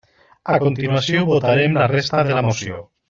A continuació votarem la resta de la moció.